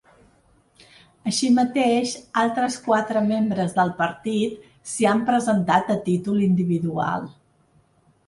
Així mateix, altres quatre membres del partit s’hi han presentat a títol individual.